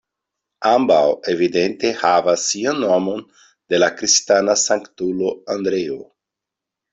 Ambaŭ evidente havas sian nomon de la kristana sanktulo Andreo.